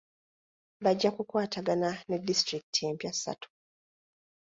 Bajja kukwatagana ne disitulikiti empya ssatu.